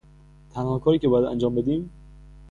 تنها کاری که باید انجام بدیم